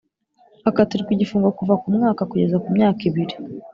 Akatirwa igifungo kuva ku mwaka kugeza ku myaka ibiri